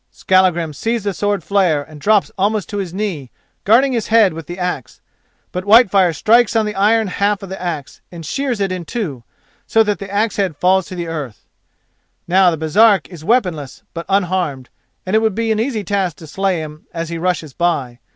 Skallagrim sees the sword flare and drops almost to his knee, guarding his head with the axe; but Whitefire strikes on the iron half of the axe and shears it in two, so that the axe head falls to earth. Now the Baresark is weaponless but unharmed, and it would be an easy task to slay him as he rushes by.